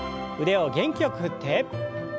腕を元気よく振って。